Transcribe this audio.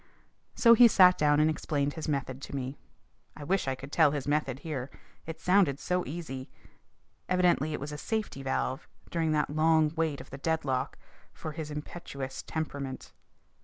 So he sat down and explained his method to me. I wish I could tell his method here. It sounded so easy. Evidently it was a safety valve, during that long wait of the deadlock, for his impetuous temperament.